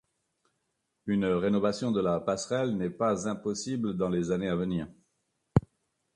Une rénovation de la Passerelle n’est pas impossible dans les années à venir...